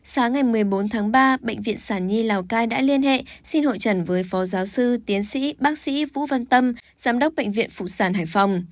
sáng ngày một mươi bốn tháng ba bệnh viện sản nhi lào cai đã liên hệ xin hội trần với phó giáo sư tiến sĩ bác sĩ vũ văn tâm giám đốc bệnh viện phụ sản hải phòng